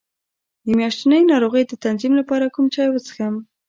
د میاشتنۍ ناروغۍ د تنظیم لپاره کوم چای وڅښم؟